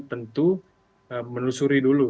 tentu menelusuri dulu